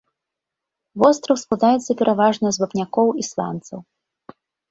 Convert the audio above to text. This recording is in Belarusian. Востраў складаецца пераважна з вапнякоў і сланцаў.